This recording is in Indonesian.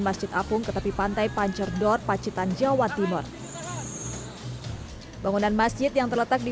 masjid apung ke tepi pantai pancerdor pacitan jawa timur bangunan masjid yang terletak di